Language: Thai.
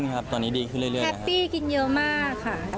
แฮปปี้กินเยอะมากค่ะ